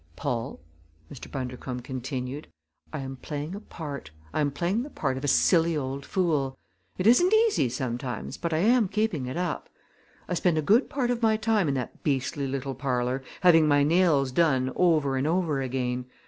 "Paul," Mr. Bundercombe continued, "I am playing a part. I am playing the part of a silly old fool. It isn't easy sometimes, but I am keeping it up. I spend a good part of my time in that beastly little parlor, having my nails done over and over again.